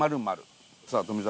さあ富澤